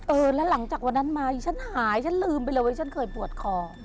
เออแล้วหลังจากวันนั้นมาฉันหายฉันลืมไปเลยว่าฉันเคยปวดคอ